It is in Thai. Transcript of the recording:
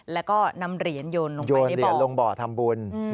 แล้วก็นำเหรียญโยนลงไปโยนเหรียญลงบ่อทำบุญ